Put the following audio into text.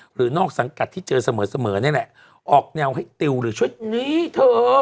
หรือนอกสังกัดที่เจอเสมอนี่แหละออกแนวให้ติวหรือชุดนี้เธอ